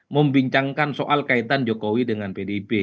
membincangkan soal kaitan jokowi dengan pdip